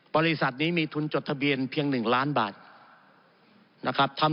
บริษัทนี้มีทุนจดทะเบียนเพียง๑ล้านบาทนะครับ